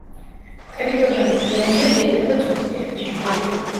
ტერიტორია მთიანია, ძირითადად ზღვისპირეთში.